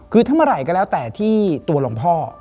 คือทำอะไรก็แล้วแต่ที่ตัวหลวงพ่อ